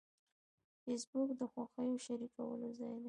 فېسبوک د خوښیو شریکولو ځای دی